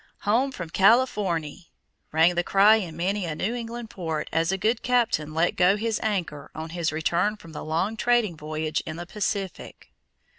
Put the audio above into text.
"Home from Californy!" rang the cry in many a New England port as a good captain let go his anchor on his return from the long trading voyage in the Pacific.